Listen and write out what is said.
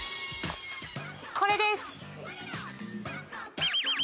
これです。